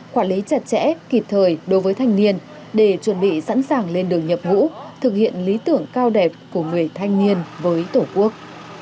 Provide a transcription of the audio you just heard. quản lý chặt chẽ kịp thời đối với thanh niên để chuẩn bị sẵn sàng lên đường nhập ngũ thực hiện lý tưởng cao đẹp của người thanh niên với tổ quốc